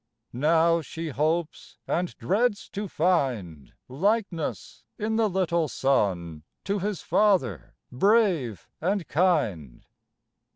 Now she hopes and dreads to find Likeness in the little son To his father, brave and kind.